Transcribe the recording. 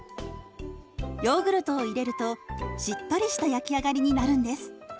ヨーグルトを入れるとしっとりした焼き上がりになるんです。